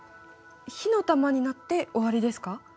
火の玉になって終わりですか？